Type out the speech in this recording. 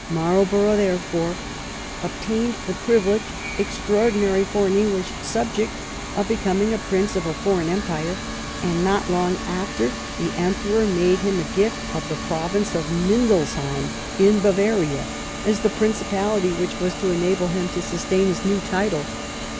Marlborough there upon obtained the privilege, extraordinary for an Eng lish subject, of becoming a prince of a foreign empire, and not long after the Emperor made him a gift of the province of Mindelsheim, in Bavaria, as the principal ity which was to enable him to sustain his new title.